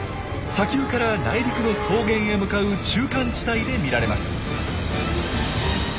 砂丘から内陸の草原へ向かう中間地帯で見られます。